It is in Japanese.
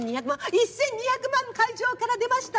１，２００万会場から出ました。